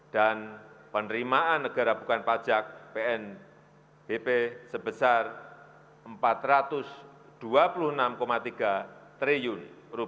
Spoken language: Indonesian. dan penerimaan negara bukan pajak pnbp sebesar rp empat ratus dua puluh enam tiga triliun